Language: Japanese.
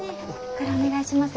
これお願いします。